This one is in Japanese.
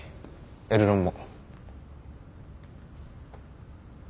エルロンも。